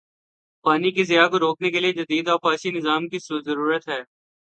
پانی کے ضیاع کو روکنے کے لیے جدید آبپاشی نظام کی ضرورت ہے